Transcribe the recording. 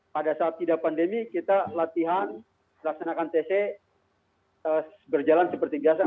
pada saat tidak pandemi kita latihan laksanakan tc berjalan seperti biasa